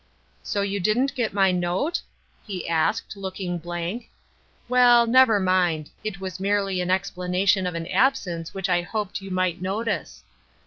" So you didn't get my note? " he asked, look ing blank. " Well, never mind ; it was merely an explanation of an absence which I hoped you might notice.